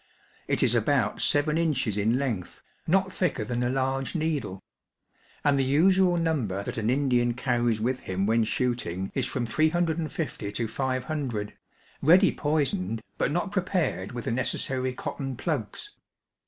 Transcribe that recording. It is about seven inches in length, not thicker than a large needle ; and the usual number that an Indian carries with him when shooting is from 350 to 500, ready poisoned, but not prepared with the necessary cotton plugs.